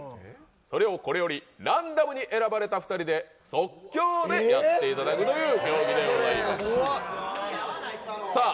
それをこれよりランダムに選ばれた２人で即興でやってやっていただく競技でございます。